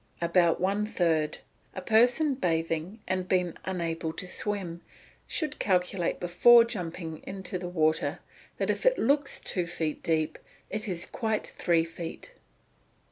_ About one third. A person bathing, and being unable to swim, should calculate before jumping into the water, that if it looks two feet deep, it is quite three feet.